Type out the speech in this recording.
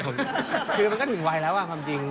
คือมันก็ถึงวัยแล้วความจริง